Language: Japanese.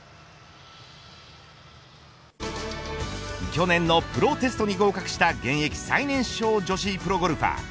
去年のプロテストに合格した現役最年少女子プロゴルファー